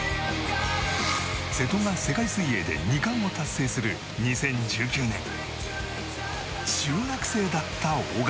瀬戸が世界水泳で２冠を達成する２０１９年中学生だった小方。